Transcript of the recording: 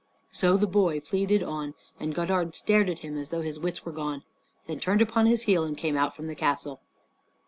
So the boy pleaded on; and Godard stared at him as though his wits were gone; then turned upon his heel and came out from the castle.